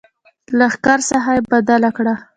د لښکر ساحه یې بدله کړه.